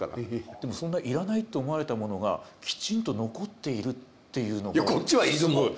でもそんないらないと思われたものがきちんと残っているっていうのが。